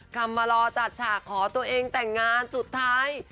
คำมารอจัดฉากขอตัวเองแต่งงานสุดท้าย